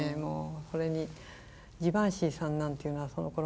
それにジバンシーさんなんていうのはそのころ